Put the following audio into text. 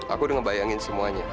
aku udah ngebayangin semuanya